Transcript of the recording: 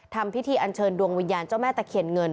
ทำพิธีอันเชิญดวงวิญญาณเจ้าแม่ตะเคียนเงิน